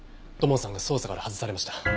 土門さんが捜査から外されました。